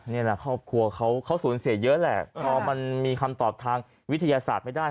นี่แหละครอบครัวเขาสูญเสียเยอะแหละพอมันมีคำตอบทางวิทยาศาสตร์ไม่ได้